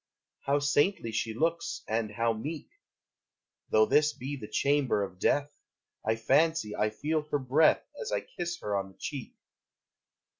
How saintly she looks, and how meek! Though this be the chamber of death, I fancy I feel her breath As I kiss her on the cheek.